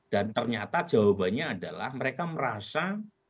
dan ternyata jawabannya adalah mereka merasa